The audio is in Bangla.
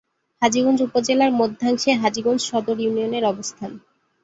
হাজীগঞ্জ উপজেলার মধ্যাংশে হাজীগঞ্জ সদর ইউনিয়নের অবস্থান।